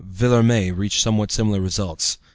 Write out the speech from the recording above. Villermé reached somewhat similar results.